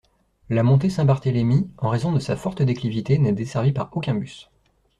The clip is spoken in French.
La montée Saint-Barthélémy, en raison de sa forte déclivité, n'est desservie par aucun bus.